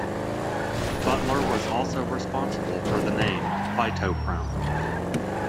Butler was also responsible for the name, phytochrome.